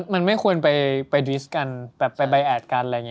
มันไม่ควรไปดริสก์กันไปใบแอดกัน